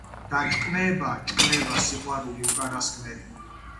და ჭკნება, ჭკნება სიყვარული უკანასკნელი,